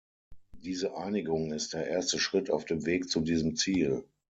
Diese Einigung ist der erste Schritt auf dem Weg zu diesem Ziel.